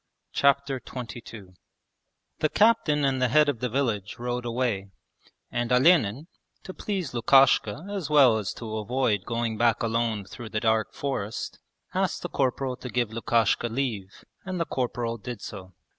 Chapter XXII The Captain and the head of the village rode away, and Olenin, to please Lukashka as well as to avoid going back alone through the dark forest, asked the corporal to give Lukashka leave, and the corporal did so.